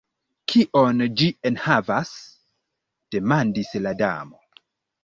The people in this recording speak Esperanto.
"Kion ĝi enhavas?" demandis la Damo.